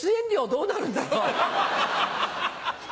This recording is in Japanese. どうなるんだろ？